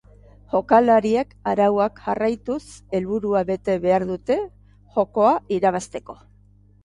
Jokalariek arauak jarraituz helburua bete behar dute jokoa irabazteko.